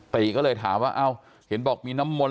ติก็เลยถามว่าเอ้าเห็นบอกมีน้ำมนต